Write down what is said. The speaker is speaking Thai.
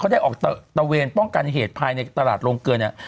ได้ออกตะเวนป้องกันเหตุภายในตลาดโรงเกลือเนี่ย